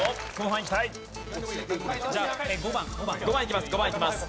５番いきます